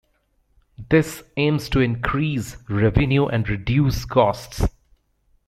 This aims to increase revenue and reduce costs.